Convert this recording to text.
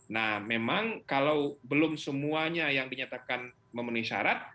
nah memang kalau belum semuanya yang dinyatakan memenuhi syarat